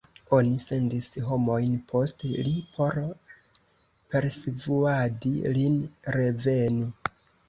Oni sendis homojn post li por persvuadi lin reveni.